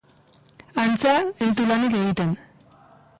Antza, ez du lanik egiten.